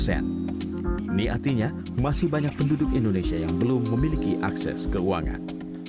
ini artinya masih banyak penduduk indonesia yang belum memiliki akses keuangan